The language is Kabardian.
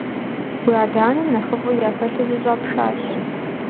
Уи адэ-анэм нэхъыфӀу яхэлъыр зыщӀэпшащ.